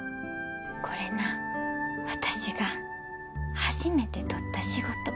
これな私が初めて取った仕事。